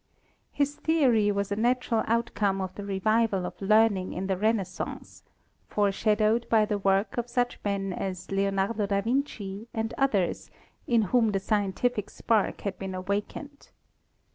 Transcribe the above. His theory was a natural outcome of the revival of learn ing in the Renaissance, foreshadowed by the work of such men as Leonardo da Vinci and others, in whom the scien tific spark had been awakened.